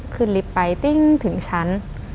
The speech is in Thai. ขึ้นลิฟท์ไปติ้งถึงชั้น